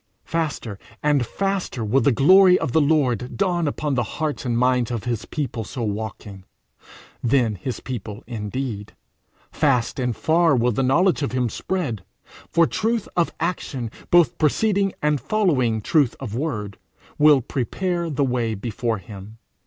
Faster and faster will the glory of the Lord dawn upon the hearts and minds of his people so walking then his people indeed; fast and far will the knowledge of him spread, for truth of action, both preceding and following truth of word, will prepare the way before him.